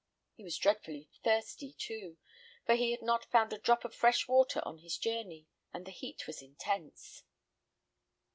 He was dreadfully thirsty too, for he had not found a drop of fresh water on the journey, and the heat was intense.